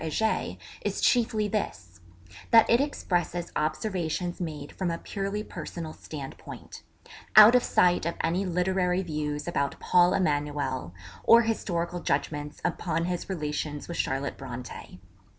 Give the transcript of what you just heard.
Heger is chiefly this: that it expresses observations made from a purely personal standpoint; out of sight of any literary views about 'Paul Emanuel,' or historical judgments upon his relations with Charlotte Brontë.